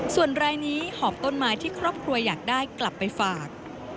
ส่วนรายนี้หอบต้นไม้ที่ครอบครัวอยากได้กลับไปฝาก